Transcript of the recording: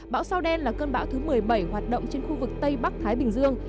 bão sao đen là cơn bão thứ một mươi bảy hoạt động trên khu vực tây bắc thái bình dương